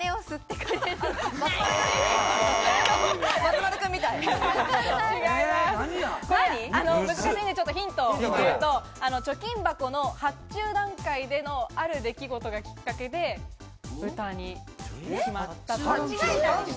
難しいので、ちょっとヒントを言うと貯金箱の発注段階でのある出来事がきっかけで、豚になったと。